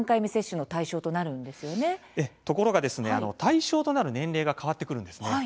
はいところが対象年齢が変わってくるんです。